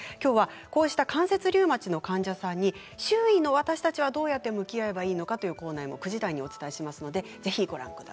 こうした関節リウマチの患者さんに周囲の私たちがどう向き合えばいいのかを考えるコーナーも９時台に設けます。